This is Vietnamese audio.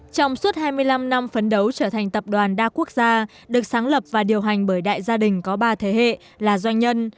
trong suốt hai mươi năm năm phấn đấu trở thành tập đoàn đa quốc gia được sáng lập và điều hành bởi đại gia đình có ba thế hệ là doanh nhân